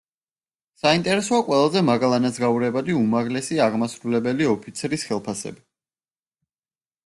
საინტერესოა ყველაზე მაღალანაზღაურებადი უმაღლესი აღმასრულებელი ოფიცრის ხელფასები.